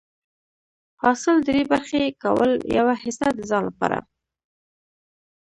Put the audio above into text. حاصل دری برخي کول، يوه حيصه د ځان لپاره